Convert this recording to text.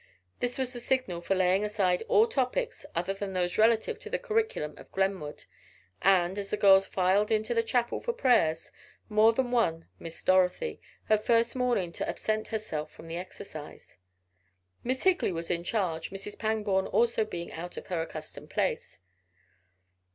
This was the signal for laying aside all topics other than those relative to the curriculum of Glenwood, and, as the girls filed into the chapel for prayers, more than one missed Dorothy, her first morning to absent herself from the exercise. Miss Higley was in charge, Mrs. Pangborn also being out of her accustomed place.